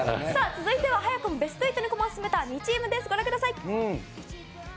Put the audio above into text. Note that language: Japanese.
続いては早くもベスト８に駒を進めた２チームですご覧ください。